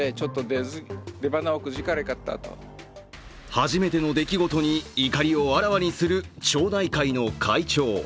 初めての出来事に怒りをあらわにする町内会の会長。